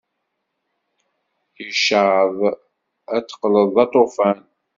Icaṭ ay teqqleḍ d aṭufan!